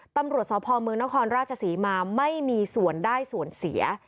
ตำรวจสพเมืองนครราชศรีมาไม่มีส่วนได้ส่วนเสีย